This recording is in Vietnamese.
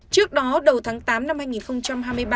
trước đó đầu tháng tám năm hai nghìn hai mươi ba